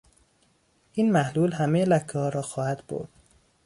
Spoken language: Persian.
این محلول همهی لکهها را خواهد برد.